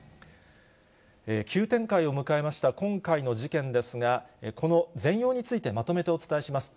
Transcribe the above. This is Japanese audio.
急展開を迎えました、今回の事件ですが、この全容についてまとめてお伝えします。